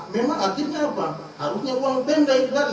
memang akhirnya apa harusnya uang pendah itu lagi